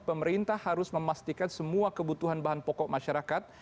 pemerintah harus memastikan semua kebutuhan bahan pokok masyarakat